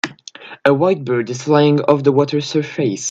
A white bird is flying off the water surface.